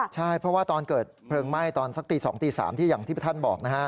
ใช่เพราะว่าตอนเกิดเพลิงไหม้ตอนสักตี๒ตี๓ที่อย่างที่ท่านบอกนะฮะ